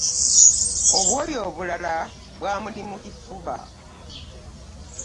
Obwoya obulala bwamuli mu kifuba.